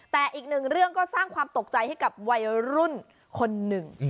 แต่อีกหนึ่งเรื่องก็สร้างความตกใจให้กับวัยรุ่นคนหนึ่ง